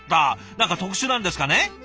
何か特殊なんですかね？